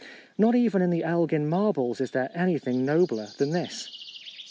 Not even in the Elgin marbles is there anything nobler than this.